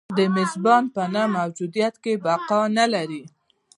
د میزبان په نه موجودیت کې بقا نه لري.